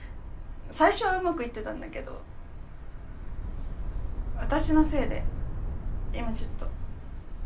最初はうまくいってたんだけど私のせいで今ちょっと。